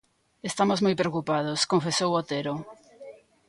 Estamos moi preocupados, confesou Otero.